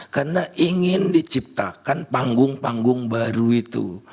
karena ingin diciptakan panggung panggung baru itu